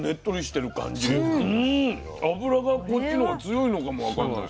脂がこっちの方が強いのかもわかんない。